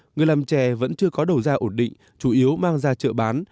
người làm trè vẫn chưa có đầu gia ổn định chủ yếu mang ra chợ bán